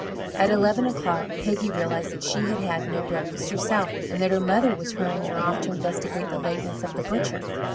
At eleven o'clock Peggy realized that she had had no breakfast herself, and that her mother was hurrying her off to investigate the lateness of the butcher.